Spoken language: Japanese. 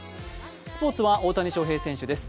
スポーツは大谷翔平選手です。